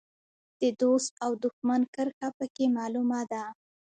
د دوست او دوښمن کرښه په کې معلومه ده.